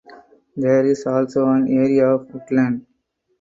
There is also an area of woodland.